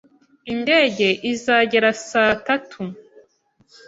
Indege izagera saa tatu.